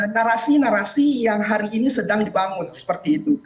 narasi narasi yang hari ini sedang dibangun seperti itu